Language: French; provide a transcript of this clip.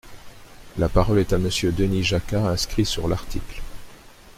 La parole est à Monsieur Denis Jacquat, inscrit sur l’article.